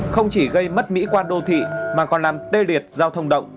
không chỉ gây mất mỹ quan đô thị mà còn làm tê liệt giao thông động